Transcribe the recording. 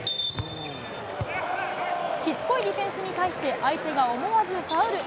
しつこいディフェンスに対して相手が思わずファウル。